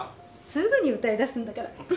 すぐに歌い出すんだから。